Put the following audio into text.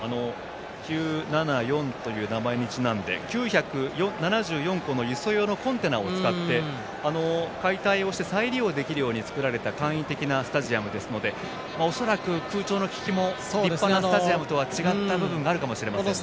９７４という名前にちなんで９７４個の輸送用のコンテナを使って解体をして再利用できるように作られた簡易的なスタジアムですので恐らく、空調の効きも一般のスタジアムとは違った部分もあるかもしれませんね。